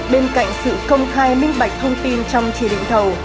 bên cạnh sự công khai minh bạch thông tin trong chỉ định thầu